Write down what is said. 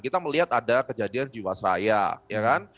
kita melihat ada kejadian jiwasraya ya kan